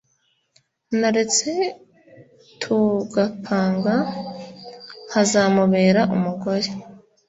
naretse tugapanga nkazamubera umugore